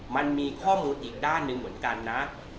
มันมีข้อมูลอีกด้านหนึ่งเหมือนกันนะ